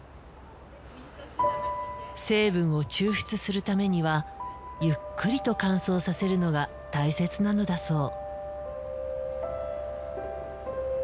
成分を抽出するためにはゆっくりと乾燥させるのが大切なのだそう。